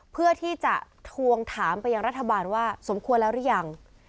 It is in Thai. เพื่อที่จะทวงถามไปยังรัฐบาลว่าสมควรแล้วหรือยัง